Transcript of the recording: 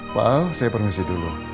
pak al saya permisi dulu